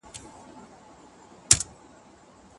په آنلاین زده کړو کې ویډیوګانې کتل کېږي.